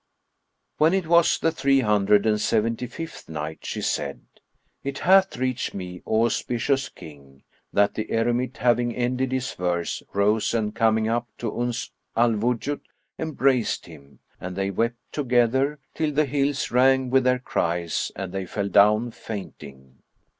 When it was the Three Hundred and Seventy fifth Night, She said, It hath reached me, O auspicious King, that the eremite having ended his verse, rose and coming up to Uns al Wujud embraced him, and they wept together, till the hills rang with their cries and they fell down fainting.